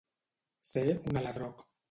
Ser un aladroc.